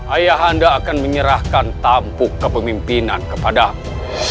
ayah anda akan menyerahkan tampuk kepemimpinan kepadamu